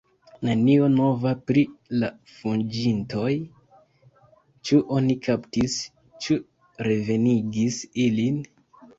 Nenio nova pri la fuĝintoj: ĉu oni kaptis, ĉu revenigis ilin?